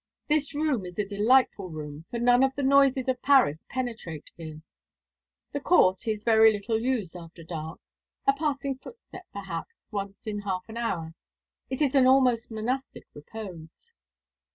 This room is a delightful room, for none of the noises of Paris penetrate here. The court is very little used after dark a passing footstep, perhaps, once in half an hour. It is an almost monastic repose."